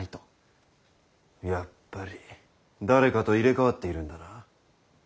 やっぱり誰かと入れ代わっているんだな。